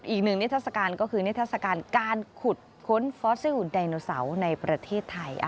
อีกหนึ่งนิทัศกาลก็คือนิทัศกาลการขุดค้นฟอสซิลไดโนเสาร์ในประเทศไทย